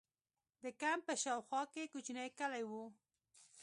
د کمپ په شا او خوا کې کوچنۍ کلي وو.